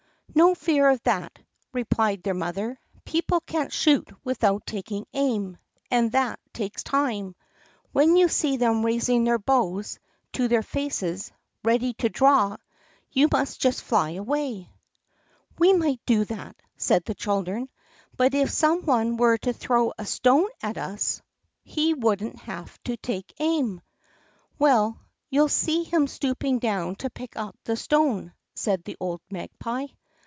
"No fear of that!" replied their mother. "People can't shoot without taking aim, and that takes time. When you see them raising their bows to their faces, ready to draw, you must just fly away!" "We might do that," said the children; "but if some one were to throw a stone at us, he wouldn't have to take aim." "Well, you'll see him stooping down to pick up the stone," said the old Magpie.